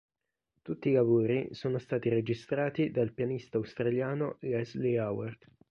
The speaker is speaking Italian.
Tutti i lavori sono stati registrati dal pianista australiano Leslie Howard.